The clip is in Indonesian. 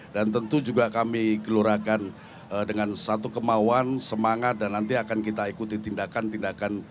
dan tentu juga kami gelurakan dengan satu kemauan semangat dan nanti akan kita ikuti tindakan tindakan